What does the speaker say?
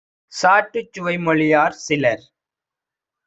சாற்றுச் சுவைமொழியார் - சிலர்